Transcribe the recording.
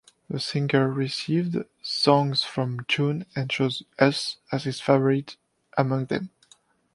The singer received songs from Jhun and chose "Us" as his favorite among them.